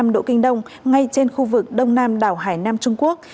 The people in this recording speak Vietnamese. một trăm một mươi năm độ kinh đông ngay trên khu vực đông nam đảo hải nam trung quốc